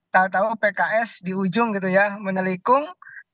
tahu tahu pks di ujung menelikung